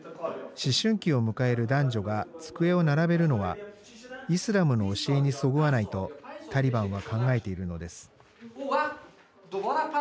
思春期を迎える男女が机を並べるのはイスラムの教えにそぐわないとタリバンは考えているのです。